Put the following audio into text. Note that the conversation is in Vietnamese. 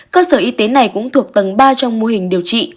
cơ sở y tế này cũng thuộc tầng ba trong mô hình điều trị